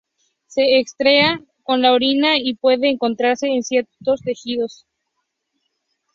Se excreta con la orina y puede encontrarse en ciertos tejidos.